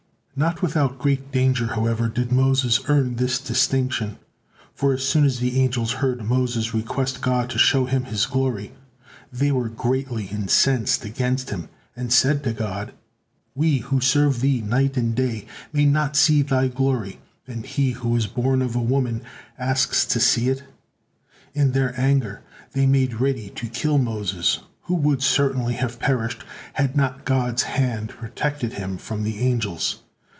Not without great danger, however, did Moses earn this distinction; for as soon as the angels heard Moses request God to show him His glory, they were greatly incensed against him, and said to God: "We, who serve Thee night and day, may not see Thy glory, and he, who is born of woman, asks to see it!" In their anger they made ready to kill Moses, who would certainly have perished, had not God's hand protected him from the angels.